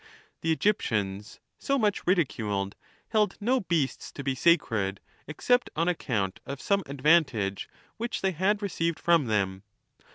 The Egyptians (so much ridiculed) held no beasts to be sacred, except on account of some advan tage which they had received from them.